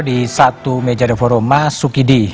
di satu meja de forum mas sukidi